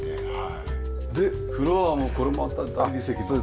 でフロアもこれまた大理石ですね。